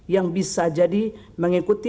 yang bisa jadi mengikuti